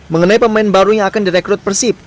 mengenai pemain baru yang akan direkrut persib